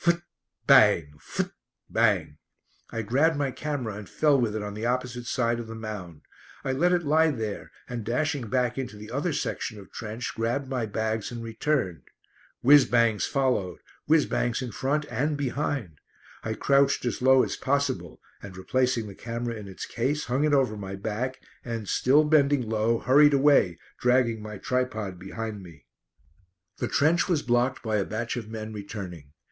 Phut bang! Phut bang! I grabbed my camera and fell with it on the opposite side of the mound. I let it lie there, and dashing back into the other section of trench grabbed my bags and returned. Whizz bangs followed; whizz bangs in front and behind! I crouched as low as possible and replacing the camera in its case hung it over my back and, still bending low, hurried away dragging my tripod behind me. The trench was blocked by a batch of men returning.